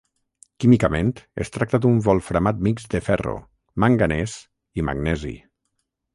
Químicament es tracta d'un wolframat mixt de ferro, manganès i magnesi.